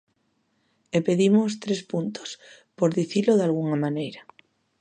E pedimos tres puntos, por dicilo dalgunha maneira.